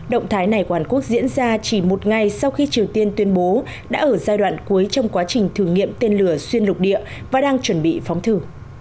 động thái này của hàn quốc diễn ra chỉ một ngày sau khi triều tiên tuyên bố đã ở giai đoạn cuối trong quá trình thử nghiệm tên lửa xuyên lục địa và đang chuẩn bị phóng thử